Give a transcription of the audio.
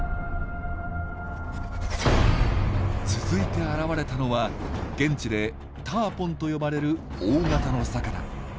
続いて現れたのは現地で「ターポン」と呼ばれる大型の魚。